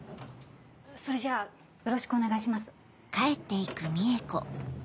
それじゃあよろしくお願いします。